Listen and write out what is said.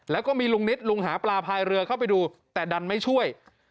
แล้วก็มีลุงนิดลุงหาปลาพายเรือเข้าไปดูแต่ดันไม่ช่วย